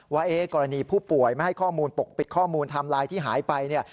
ว่ากรณีผู้ป่วยไม่ให้ข้อมูลปกปิดข้อมูลไทม์ไลน์ที่หายไปเนี่ย